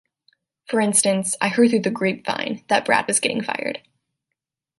For instance "I heard through "the grapevine" that Brad was getting fired.